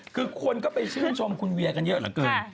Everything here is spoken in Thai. คือคนก็ไปชื่นชมคุณเวียกันเยอะเหลือเกิน